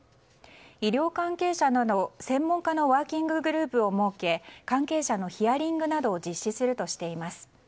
医療関係者など専門家のワーキンググループを設け関係者のヒアリングなどを実施するとしています。